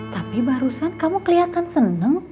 tapi barusan kamu kelihatan seneng